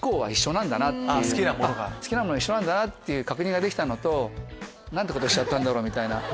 好きなものが一緒なんだっていう確認ができたのと何てことしちゃったんだろう？みたいな。